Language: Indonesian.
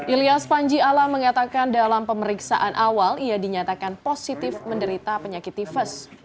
ilyas panji alam mengatakan dalam pemeriksaan awal ia dinyatakan positif menderita penyakit tifus